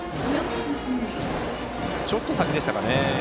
ちょっとバットの先でしたかね。